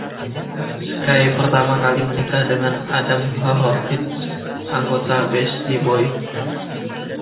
Skye pertama kali menikah dengan Adam Horovitz, anggota Beastie Boys.